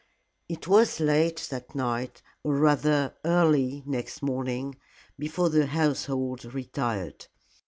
It was late that night or rather early next morning before the household retired.